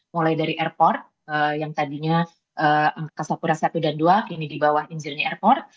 mulai dari airport yang tadinya kasapura satu dan dua kini di bawah in journey airport